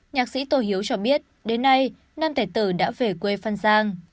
nhạc sĩ tô hiếu cho biết đến nay nam tài tử đã về quê phan giang